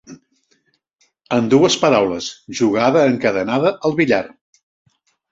En dues paraules, jugada encadenada al billar.